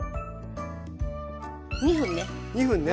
２分ね。